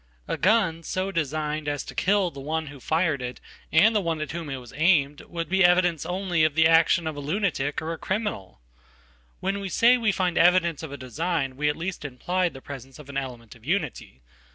A gun so designed as to kill the one who fired it and the one atwhom it was aimed would be evidence only of the action of a lunaticor a criminal. When we say we find evidence of a design we at leastimply the presence of an element of unity.